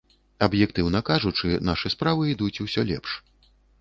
Аб'ектыўна кажучы, нашы справы ідуць усё лепш.